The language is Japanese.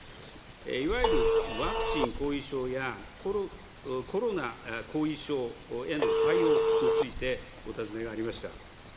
いわゆるワクチン後遺症やコロナ後遺症への対応についてお尋ねがありました。